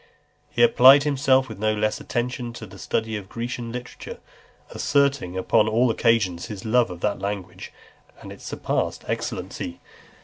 XLII. He applied himself with no less attention to the study of Grecian literature, asserting upon all occasions his love of that language, and its surpassing excellency.